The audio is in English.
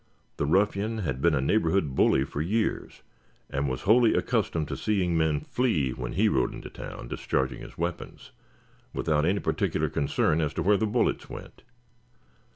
The ruffian had been a neighborhood bully for years, and was wholly accustomed to seeing men flee when he rode into town discharging his weapons, without any particular concern as to where the bullets went.